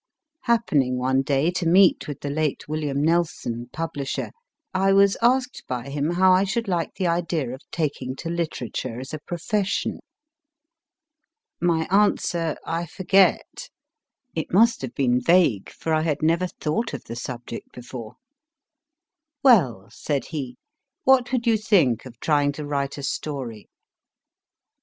Happening one day to meet with the late William Nelson, publisher, I was asked by him how I should like the idea of taking to litera ture as a profession. My answer I forget. It must have been vague, for I had never thought of the subject before. Well/ said he, * what would you think of trying to write a story